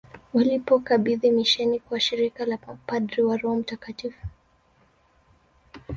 Walipokabidhi misheni kwa shirika la mapadri wa Roho mtakatifu